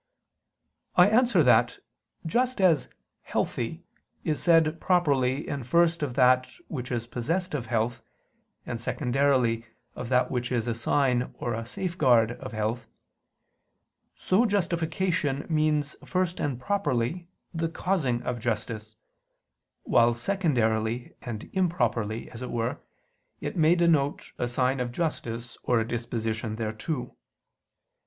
I answer that, Just as "healthy" is said properly and first of that which is possessed of health, and secondarily of that which is a sign or a safeguard of health; so justification means first and properly the causing of justice; while secondarily and improperly, as it were, it may denote a sign of justice or a disposition thereto.